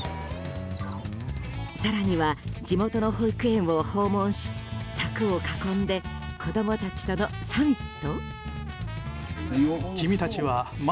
更には地元の保育園を訪問し卓を囲んで子供たちとのサミット？